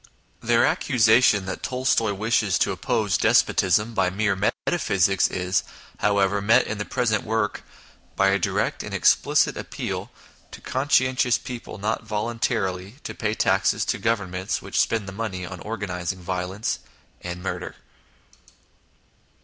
Their accusation that Tolstoy wishes to oppose despotism by mere metaphysics is, however, met in the present work by a direct and explicit appeal to conscientious people not voluntarily to pay taxes to Govern ments which spend the money on organising violence and murder.